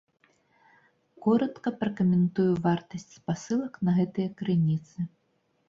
Коратка пракаментую вартасць спасылак на гэтыя крыніцы.